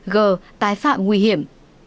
g tái phạm nguy hiểm